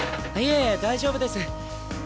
いえ大丈夫です。